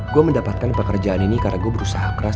gue mendapatkan pekerjaan ini karena gue berusaha keras